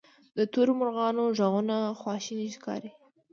د تورو مرغانو ږغونه خواشیني ښکاري.